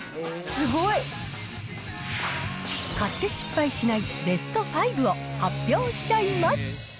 すごい！買って失敗しないベスト５を発表しちゃいます。